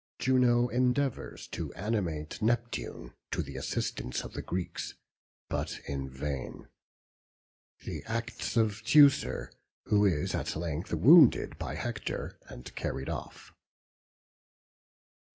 Juno endeavours to animate Neptune to the assistance of the Greeks, but in vain. The acts of Teucer, who is at length wounded by Hector, and carried off.